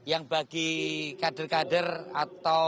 yang bagi kader kader atau